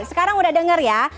sekarang udah dengar ya